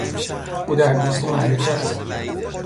او در دوستی معرکه است.